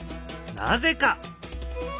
なぜか？